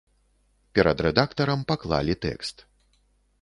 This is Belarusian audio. Перад рэдактарам паклалі тэкст.